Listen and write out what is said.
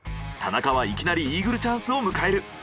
５田中はいきなりイーグルチャンスを迎える。